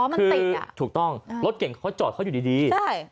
คือถูกต้องรถเก่งเขาจอดเขาอยู่ดีใช่